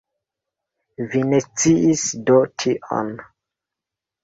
Vi ne sciis do tion?